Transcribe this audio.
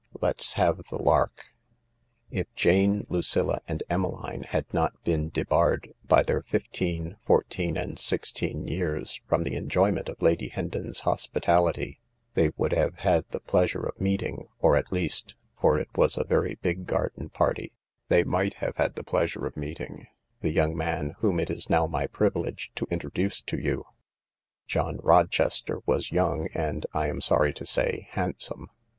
Let's have the lark." .«•••• If Jane, Lucilla, and Emmeline had not been debarred by their fifteen, fourteen, and sixteen years from the enjoy ment of Lady Hendon's hospitality they would have had the pleasure of meeting — or at least, for it was a very big garden party, they might have had the pleasure of meeting— the young man whom it is now my privilege to introduce to you. John Rochester was young and, I am sorry to say, hand some.